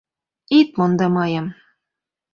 Ит мондо мыйым